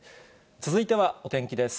続いてはお天気です。